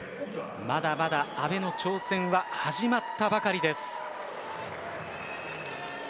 まだまだ阿部の挑戦は始まったばかりです。